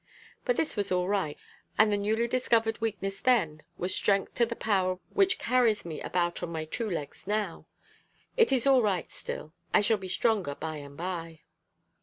But this was all right, and the newly discovered weakness then was strength to the power which carries me about on my two legs now. It is all right still. I shall be stronger by and by.